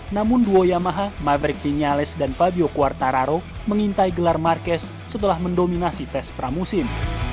namun duo yamaha maverick vinyales dan fabio quartararo mengintai gelar marquez setelah mendominasi tes pramusim